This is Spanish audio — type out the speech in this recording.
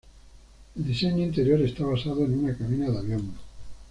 El diseño interior está basado en una cabina de avión.